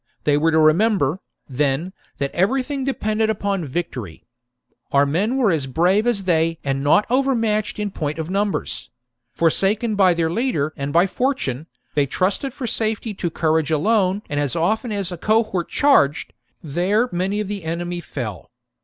They were to remember, then, that every thing depended upon victory. Our men were as brave as they and not overmatched in point of numbers :^ forsaken by their leader and by fortune, they trusted for safety to courage alone ; and as often as a cohort charged, there many of the enemy fell.